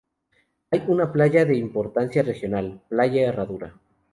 Hay una playa de importancia regional: Playa Herradura.